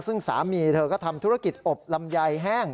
ซึ่งสามีเธอก็ทำธุรกิจอบลำไยแห้ง